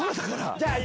じゃあ。